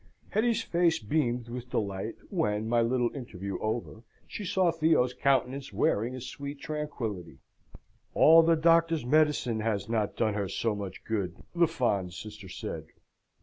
Hetty's face beamed with delight when, my little interview over, she saw Theo's countenance wearing a sweet tranquillity. All the doctor's medicine has not done her so much good, the fond sister said.